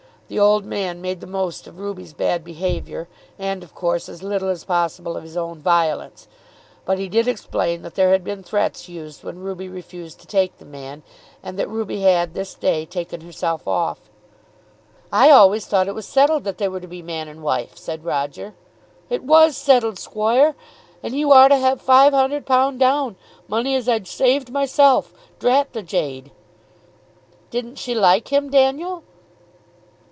The old man made the most of Ruby's bad behaviour, and of course as little as possible of his own violence. But he did explain that there had been threats used when Ruby refused to take the man, and that Ruby had, this day, taken herself off. "I always thought it was settled they were to be man and wife," said Roger. "It was settled, squoire; and he war to have five hun'erd pound down; money as I'd saved myself. Drat the jade." "Didn't she like him, Daniel?"